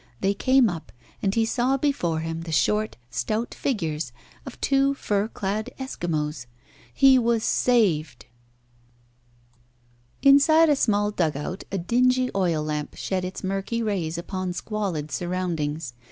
They came up, and he saw before him the short, stout figures of two fur clad Eskimos. He was saved. Inside a small dugout a dingy oil lamp shed its murky rays upon squalid surroundings.